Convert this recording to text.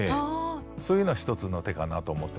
そういうのは一つの手かなと思ってますね。